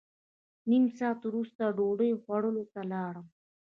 نیم ساعت وروسته ډوډۍ خوړلو ته لاړم.